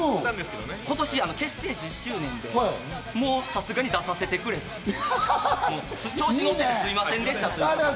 今年結成１０周年で、もうさすがに出させてくれと、調子のっててすいませんでしたと。